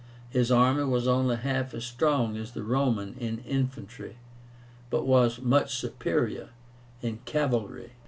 His army was only half as strong as the Roman in infantry, but was much superior in cavalry.